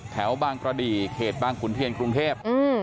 แถวบางกระดีเขตบางขุนเทียนกรุงเทพ